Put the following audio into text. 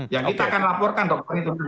ya kita akan laporkan dokter itu